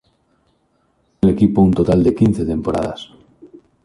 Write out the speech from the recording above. Jugó en el equipo un total de quince temporadas.